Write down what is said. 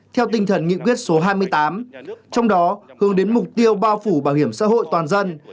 theo tinh thần nghị quyết số hai mươi tám trong đó hướng đến mục tiêu bao phủ bảo hiểm xã hội toàn dân